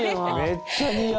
めっちゃ似合う。